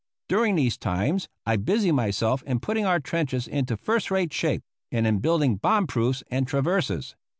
During these times I busied myself in putting our trenches into first rate shape and in building bomb proofs and traverses.